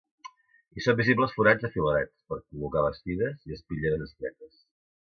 Hi són visibles forats afilerats, per col·locar bastides, i espitlleres estretes.